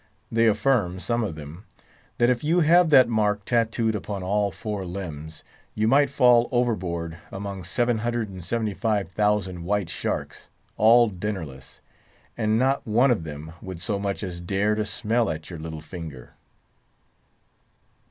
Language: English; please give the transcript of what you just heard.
They affirm—some of them—that if you have that mark tattooed upon all four limbs, you might fall overboard among seven hundred and seventy five thousand white sharks, all dinnerless, and not one of them would so much as dare to smell at your little finger.